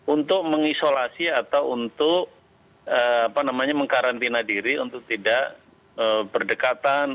untuk mengisolasi atau untuk mengkarantina diri untuk tidak berdekatan